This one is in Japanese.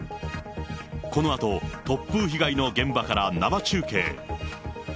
このあと、突風被害の現場から生中継。